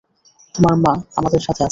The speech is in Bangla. তোমার মা আমাদের সাথে আছে।